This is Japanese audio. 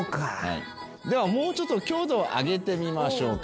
ではもうちょっと強度を上げてみましょうか。